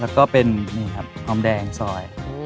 แล้วก็เป็นนี่ครับหอมแดงซอย